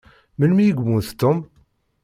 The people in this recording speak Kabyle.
Melmi i yemmut Tom?